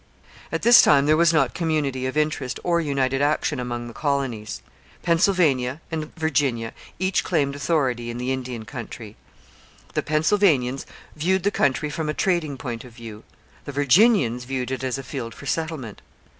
At this time there was not community of interest or united action among the colonies. Pennsylvania and Virginia each claimed authority in the Indian country. The Pennsylvanians viewed the country from a trading point of view; the Virginians viewed it as a field for settlement.